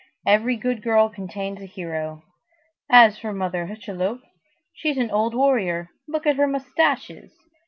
Every good girl contains a hero. As for Mother Hucheloup, she's an old warrior. Look at her moustaches!